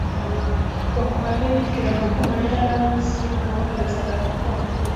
bakware yibwiraga ko mariya yari azi uwohereza raporo